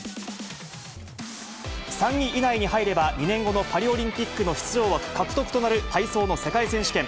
３位以内に入れば、２年後のパリオリンピックの出場枠獲得となる体操の世界選手権。